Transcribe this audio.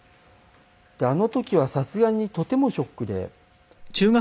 あの時はさすがにとてもショックで。